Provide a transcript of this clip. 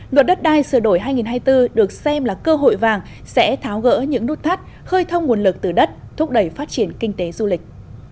luật đất đai sửa đổi hai nghìn hai mươi bốn được xem là cơ hội vàng sẽ tháo gỡ những nút thắt khơi thông nguồn lực từ đất thúc đẩy phát triển kinh tế du lịch